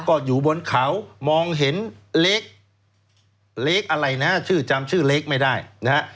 ก็อยู่บนเขามองเห็นเล็กเล็กอะไรนะชื่อจำชื่อเล็กไม่ได้นะฮะ